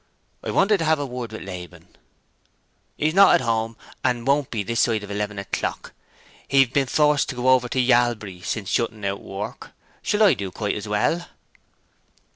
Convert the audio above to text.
"I wanted to have a word with Laban." "He's not at home, and won't be this side of eleven o'clock. He've been forced to go over to Yalbury since shutting out work. I shall do quite as well."